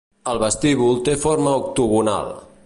El vestíbul té forma octagonal.